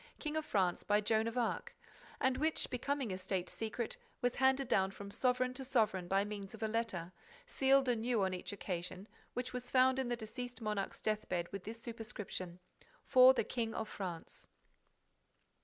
King of France, by Joan of Arc and which, becoming a State secret, was handed down from sovereign to sovereign by means of a letter, sealed anew on each occasion, which was found in the deceased monarch's death bed with this superscription: "For the King of France."